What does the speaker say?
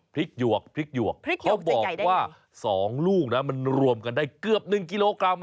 หยวกพริกหยวกเขาบอกว่า๒ลูกนะมันรวมกันได้เกือบ๑กิโลกรัม